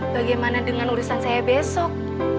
bagaimana dengan urusan saya besok